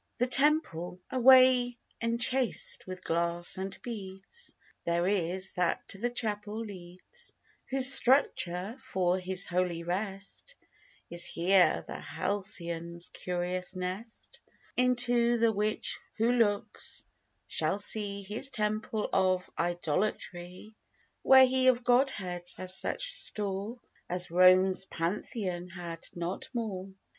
THE TEMPLE A way enchaced with glass and beads There is, that to the Chapel leads; Whose structure, for his holy rest, Is here the Halcyon's curious nest; Into the which who looks, shall see His Temple of Idolatry; Where he of god heads has such store, As Rome's Pantheon had not more.